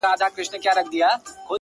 د زنې خال دې د لار ورکو لارښوونکی گراني